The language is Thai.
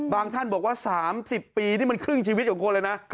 ท่านบอกว่า๓๐ปีนี่มันครึ่งชีวิตของคนเลยนะ